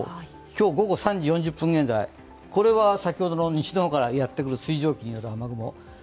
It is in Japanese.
今日午後３時４０分現在、これは先ほどの西の方からやってくる水蒸気のような雨雲。